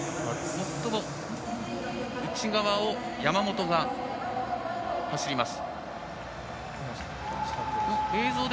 最も内側を山本が走ります。